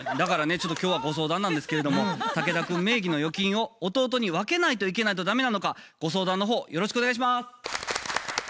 ちょっと今日はご相談なんですけれども竹田くん名義の預金を弟に分けないといけないと駄目なのかご相談の方よろしくお願いします。